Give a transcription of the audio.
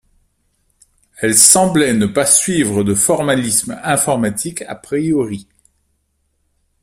Elle semblait ne pas suivre de formalisme informatique a priori.